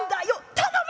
「頼む！